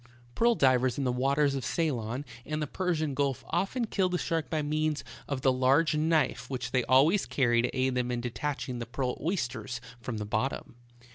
Pearl divers in the waters of Ceylon and the Persian Gulf often kill the shark by means of the large knife which they always carry to aid them in detaching the pearl oysters from the bot tom.